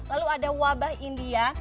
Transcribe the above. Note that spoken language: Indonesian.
lalu ada wabah india